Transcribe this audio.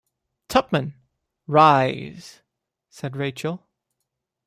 'Tupman, rise,’ said Rachael.